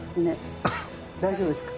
大丈夫ですか？